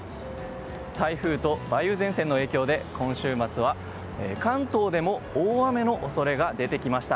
台風と梅雨前線の影響で今週末は関東でも大雨の恐れが出てきました。